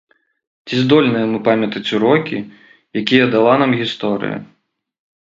Ці здольныя мы памятаць урокі, якія дала нам гісторыя?